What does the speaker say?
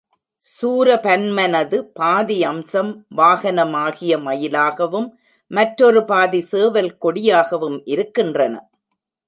சூரபன்மனது பாதி அம்சம் வாகனமாகிய மயிலாகவும், மற்றொரு பாதி சேவல் கொடியாகவும் இருக்கின்றன.